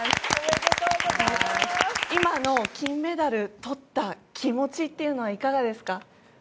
今の金メダルをとった気持ちはいかがですか？